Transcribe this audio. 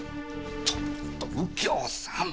ちょっと右京さん。